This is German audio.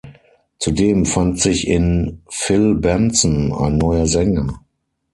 Zudem fand sich in Phil Benson ein neuer Sänger.